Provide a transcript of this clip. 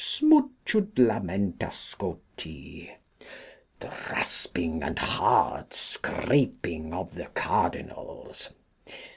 Smutchudlamenta Scoti. The Rasping and Hard scraping of the Cardinals.